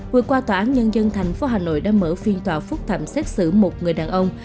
vừa qua tòa án nhân dân tp hà nội đã mở phiên tòa phúc thẩm xét xử một người đàn ông